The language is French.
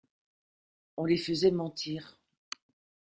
On les faisait mentir.